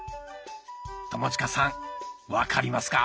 友近さん分かりますか？